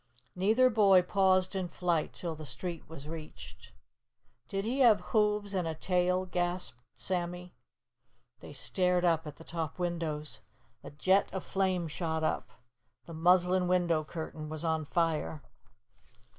Neither boy paused in flight till the street was reached. "Did he have hoofs and a tail?" gasped Sammy. They stared up at the top windows. A jet of flame shot up. The muslin window curtain was on fire.